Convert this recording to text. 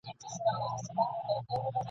زه به د هغه ملاتړی یم !.